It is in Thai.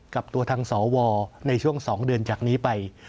กับตัวทางสวในช่วง๒เดือนจากนี้ไป